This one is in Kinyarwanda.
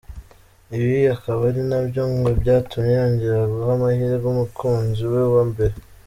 Ibi akaba ari nabyo ngo byatumye yongera guha amahirwe umukunzi we wa mbere.